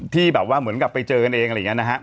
ที่แบบว่าเหมือนกับไปเจอกันเองอะไรอย่างนี้นะฮะ